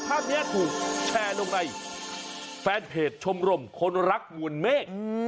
ภาพนี้ถูกแชร์ลงในแฟนเพจชมรมคนรักมวลเมฆ